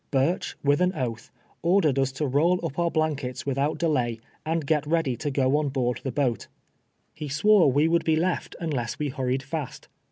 Bui cIk M ith an oath, ordered ns to roll Tip onr blankets withont delay, and get ready to go on board t]ie boat. He swore we would be left unless we hurried fast.